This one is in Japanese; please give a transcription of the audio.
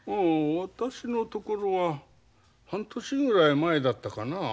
私のところは半年ぐらい前だったかな。